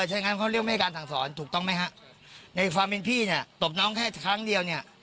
ใช่งั้นเขาเรียกไม่ให้การสั่งสอนถูกต้องไหมฮะในความเป็นพี่เนี่ยตบน้องแค่ครั้งเดียวเนี่ย